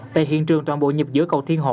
tại hiện trường toàn bộ nhịp giữa cầu thiên hộ